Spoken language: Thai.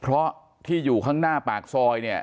เพราะที่อยู่ข้างหน้าปากซอยเนี่ย